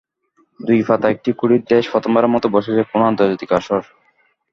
দুটি পাতা একটি কুঁড়ির দেশে প্রথমবারের মতো বসছে কোনো আন্তর্জাতিক আসর।